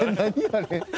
あれ。